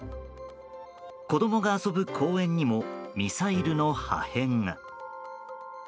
子供が遊ぶ公園にもミサイルの破片が。